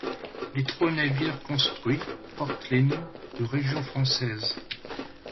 Les trois navires construits portent les noms de régions françaises.